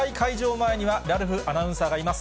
前には、ラルフアナウンサーがいます。